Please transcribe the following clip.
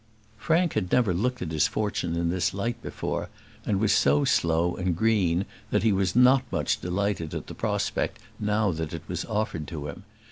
Frank had never looked at his fortune in this light before, and was so slow and green that he was not much delighted at the prospect now that it was offered to him.